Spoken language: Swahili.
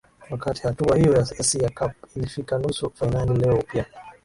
wakati hatua hiyo ya asia cup ilifika nusu fainali leo upia